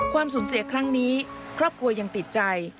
สูญเสียครั้งนี้ครอบครัวยังติดใจ